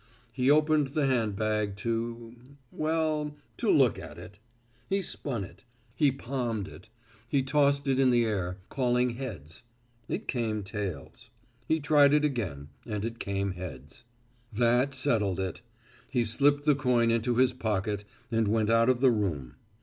He opened the handbag to well, to look at it. He spun it; he palmed it; he tossed it in the air, calling heads. It came tails. He tried it again and it came heads. That settled it. He slipped the coin into his pocket, and went out of the room.